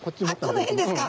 あこの辺ですか。